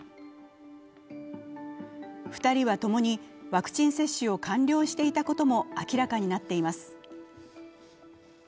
２人は共にワクチン接種を完了していたことも明らかになっています。